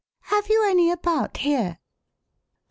" Have you any about here ?